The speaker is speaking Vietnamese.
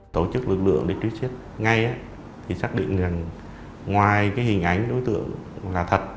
tổ chức lực lượng để truy xét ngay thì xác định rằng ngoài cái hình ảnh đối tượng là thật